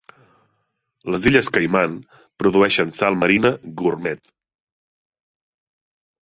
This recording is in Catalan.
Les Illes Caiman produeixen sal marina gurmet.